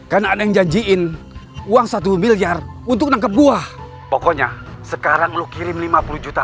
karena ada yang janjiin uang satu miliar untuk nangkep gua pokoknya sekarang lu kirim lima puluh juta